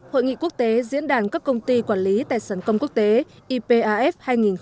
hội nghị quốc tế diễn đàn các công ty quản lý tài sản công quốc tế ipaf hai nghìn một mươi chín